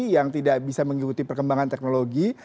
yang tidak bisa mengikuti perkembangan teknologi